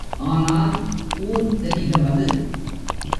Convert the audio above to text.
ஆனால் ஊர் தெரிகிறது.